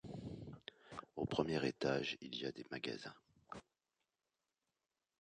Au premier étage, il y a des magasins.